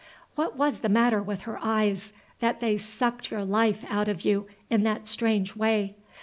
What was the matter with her eyes, that they sucked your life out of you in that strange way?